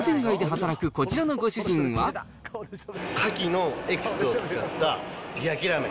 カキのエキスを使った焼きラーメン。